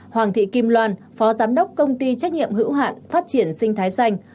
hoàng thị kim loan phó giám đốc công ty trách nhiệm hữu hạn phát triển sinh thái xanh